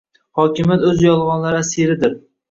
Hokimiyat o‘z yolg‘onlari asiridir